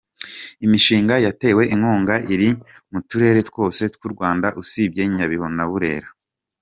Imishinga yatewe inkunga iri mu turere twose tw’u Rwanda usibye Nyabihu na Burera.